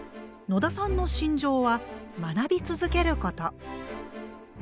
野田さんの信条は学び続けること。